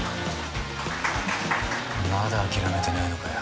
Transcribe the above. まだ諦めてねえのかよ